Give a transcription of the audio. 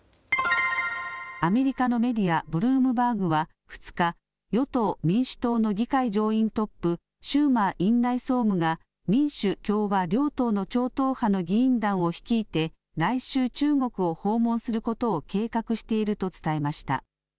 アメリカのメディア、ブルームバーグは２日、与党・民主党の議会上院トップ、シューマー院内総務が民主・共和両党の超党派の議員団を率いて来週中国を訪問することを計画していると伝えました。